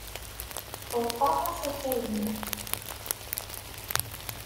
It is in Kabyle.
Ḍefreɣ asakal-nni.